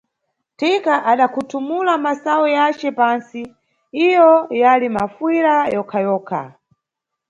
Thika adakhuthumula masayu yace pansi, iyo yali mafuyira yokha-yokha.